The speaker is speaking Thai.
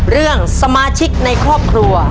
เรื่องสมาชิกในครอบครัว